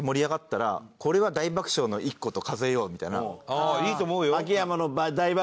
ああいいと思うよ。